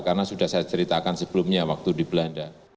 karena sudah saya ceritakan sebelumnya waktu di belanda